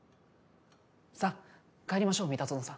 さあ帰りましょう三田園さん。